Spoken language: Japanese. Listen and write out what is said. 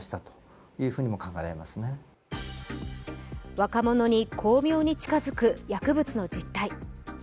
若者に巧妙に近づく薬物の実態。